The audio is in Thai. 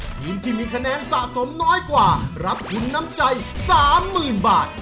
ทีมที่มีคะแนนสะสมน้อยกว่ารับทุนน้ำใจ๓๐๐๐บาท